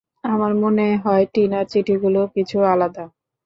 আমার মনে হয়, টিনার চিঠিগুলো কিছু আলাদা।